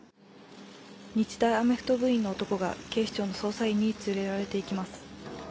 日大アメフト部の部員が警視庁の捜査員に連れられていきます。